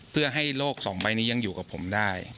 เพื่อให้โลกสองใบนี้ยังอยู่กับผมได้